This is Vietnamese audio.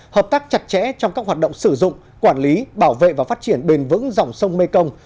hợp tác chặt chẽ trong các hoạt động sử dụng quản lý bảo vệ và phát triển bền vững dòng sông mekong